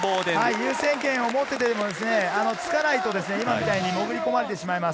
優先権を持っていても、つかないと今みたいに潜り込まれてしまいます。